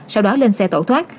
sau đó lên xe tổ thoát